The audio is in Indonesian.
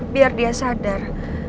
biar dia sadar